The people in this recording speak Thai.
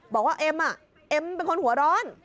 บอกว่าเอ็มเอ็มเป็นคนหัวร้อน